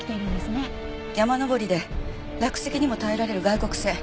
山登りで落石にも耐えられる外国製。